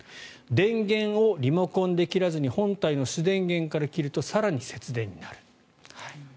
電源をリモコンで切らずに本体の主電源から切ると更に節電になる。